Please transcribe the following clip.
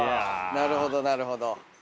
なるほどなるほど。